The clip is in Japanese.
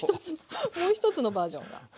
もう一つのバージョンが。